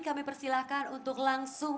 kami persilahkan untuk langsung